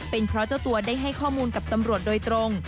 เป็นเพราะเจ้าตัวได้ให้ข้อมูลกับตำรวจโดยตรง